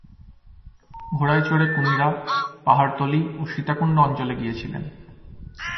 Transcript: ঘোড়ায় চড়ে কুমিরা, পাহাড়তলী ও সীতাকুণ্ড অঞ্চলে গিয়েছিলেন।